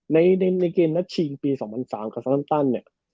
ในเกมนัทชิงปี๒๐๐๓คาซันตัน